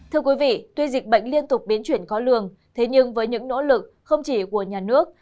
thưa quý vị tuy dịch bệnh liên tục biến chuyển khó lường thế nhưng với những nỗ lực không chỉ của nhà nước